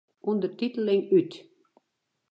Undertiteling út.